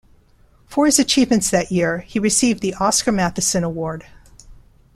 For his achievements that year, he received the Oscar Mathisen Award.